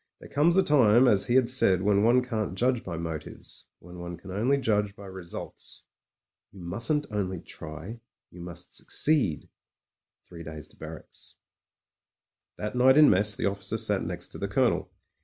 There comes a time, as he had said, when one can't judge by motives, when one can only judge by results. "You mustn't only try; you must succeed. Three days to barracks." •••••• That night in mess the officer sat next to the Colonel.